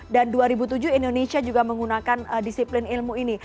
dan dua ribu tujuh indonesia juga menggunakan disiplin ilmu ini